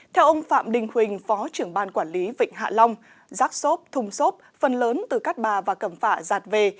theo ông phạm đình huỳnh phó trưởng ban quản lý vịnh hạ long rác xốp thùng xốp phần lớn từ cát bà và cầm phả giạt về